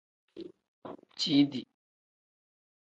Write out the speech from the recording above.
Ciidi.